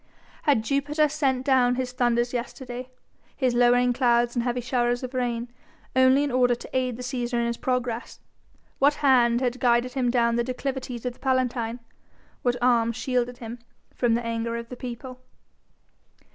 Had Jupiter sent down his thunders yesterday, his lowering clouds and heavy showers of rain, only in order to aid the Cæsar in his progress? What hand had guided him down the declivities of the Palatine? What arm shielded him from the anger of the people?